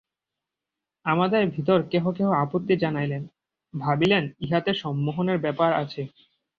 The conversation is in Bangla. আমাদের ভিতর কেহ কেহ আপত্তি জানাইলেন, ভাবিলেন ইহাতে সম্মোহনের ব্যাপার আছে।